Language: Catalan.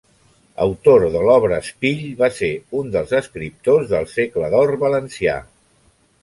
Autor de l'obra Espill va ser un dels escriptors del Segle d'or valencià.